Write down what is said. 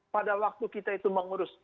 pada waktu kita itu mengurus